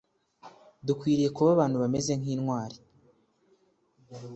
dukwiriye kuba abantu bameze nkintwari.